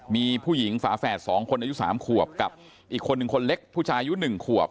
มีผู้หญิงฝาแฝด๒คนอายุ๓ขวบกับอีกคนหนึ่งคนเล็กผู้ชายอายุ๑ขวบ